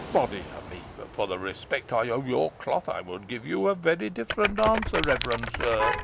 Body o' me! but for the respect I owe your cloth, I would give you a very different answer, reverend sir.